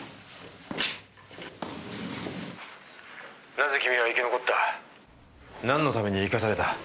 「なぜ君は生き残った？」何のために生かされた？